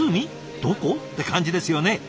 どこ？って感じですよね。